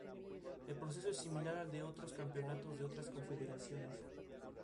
El proceso es similar al de otros campeonatos de otras confederaciones.